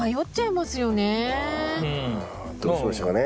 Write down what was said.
どうしましょうかね？